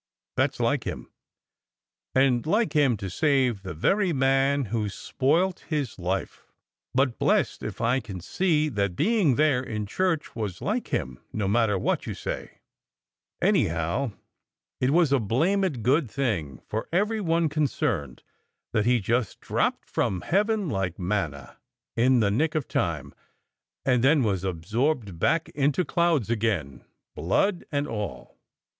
That s like him. And like him to save the very man who s spoilt his life. But blest if I can see that being there in church was like him, no matter what you say! Anyhow, 200 SECRET HISTORY it was a blamed good thing for every one concerned that he just dropped from heaven like manna in the nick of time, and then was absorbed back into clouds again, blood and all."